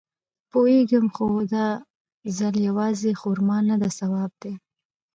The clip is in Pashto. پوېېږم خو دا ځل يوازې خرما نده ثواب دی.